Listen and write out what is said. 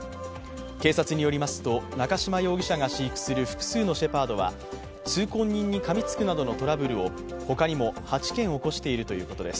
警察によりますと、中島容疑者が飼育する複数のシェパードは通行人にかみつくなどのトラブルを他にも他にも８件起こしているということです。